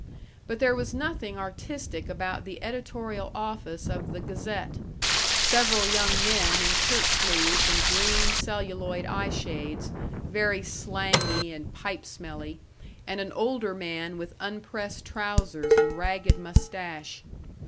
But there was nothing artistic about the editorial office of the Gazette several young men in shirt sleeves and green celluloid eye shades, very slangy and pipe smelly, and an older man with unpressed trousers and ragged mustache.